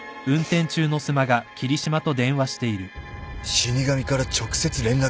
死神から直接連絡が？